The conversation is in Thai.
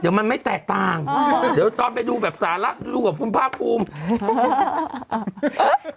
เดี๋ยวมันไว้ไม่แตกต่างเดี๋ยวต้องไปดูแบบสาระดูแบบภูมิพระภูมิ